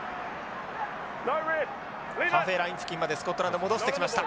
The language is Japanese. ハーフウェイライン付近までスコットランド戻してきました。